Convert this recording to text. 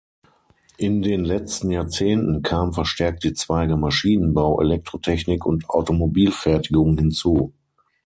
In den letzten Jahrzehnten kamen verstärkt die Zweige Maschinenbau, Elektrotechnik und Automobilfertigung hinzu.